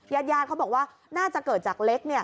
ญาติเขาบอกว่าน่าจะเกิดจากเล็ก